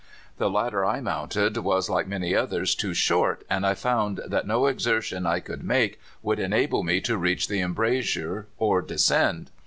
"The ladder I mounted was, like many others, too short, and I found that no exertion I could make would enable me to reach the embrasure or descend.